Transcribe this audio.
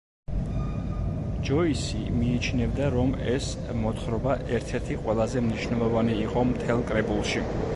ჯოისი მიიჩნევდა რომ ეს მოთხრობა ერთ-ერთი ყველაზე მნიშვნელოვანი იყო მთელ კრებულში.